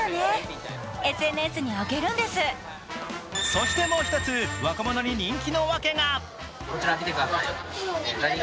そして、もう１つ、若者に人気の訳が。